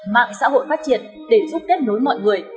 mạng xã hội phát triển để giúp kết nối mọi người